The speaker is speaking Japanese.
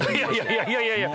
いやいやいやいや！